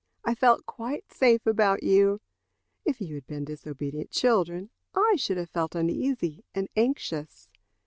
I felt quite safe about you. If you had been disobedient children, I should have felt uneasy and anxious.